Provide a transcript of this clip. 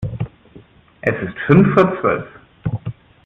Es ist fünf vor Zwölf.